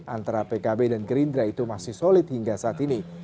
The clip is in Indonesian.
antara pkb dan gerindra itu masih solid hingga saat ini